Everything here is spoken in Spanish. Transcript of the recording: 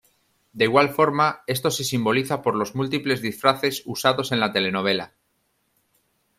De igual forma, esto se simboliza por los múltiples disfraces usados en la telenovela.